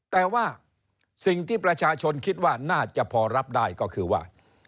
แต่ว่าสิ่งที่ประชาชนคิดว่าน่าจะพอรับได้ก็คือว่า